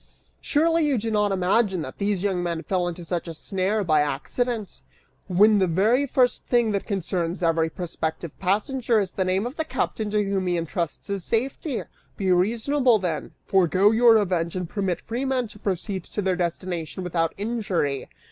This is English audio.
Surely you do not imagine that these young men fell into such a snare by accident, when the very first thing that concerns every prospective passenger is the name of the captain to whom he intrusts his safety! Be reasonable, then; forego your revenge and permit free men to proceed to their destination without injury.